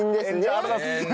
ありがとうございます！